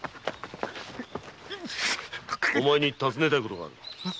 お前に尋ねたいことがある。